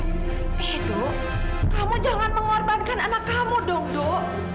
edo kamu jangan mengorbankan anak kamu dok